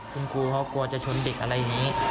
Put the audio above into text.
คนครูเขากลัวจะชนะเด็กอะไรละนี้